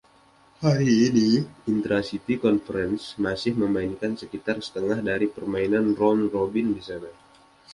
Hari ini, intra-city conference masih memainkan sekitar setengah dari permainan round-robin di sana.